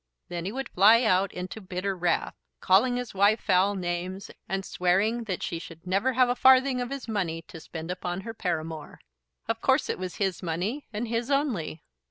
Then he would fly out into bitter wrath, calling his wife foul names, and swearing that she should never have a farthing of his money to spend upon her paramour. Of course it was his money, and his only.